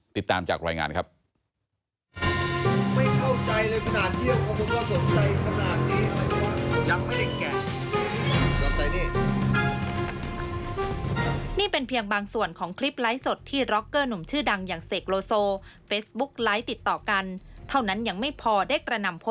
ติดตามจากรายงานครับ